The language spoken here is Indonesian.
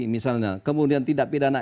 misalnya kemudian tindak pidana